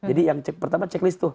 jadi yang pertama checklist tuh